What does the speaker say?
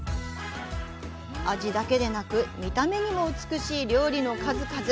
味だけでなく見た目にも美しい料理の数々。